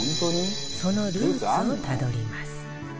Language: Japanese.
そのルーツをたどります